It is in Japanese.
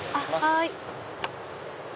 はい。